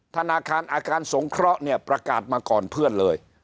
ธนาคารอาคารสงเคราะห์เนี่ยประกาศมาก่อนเพื่อนเลย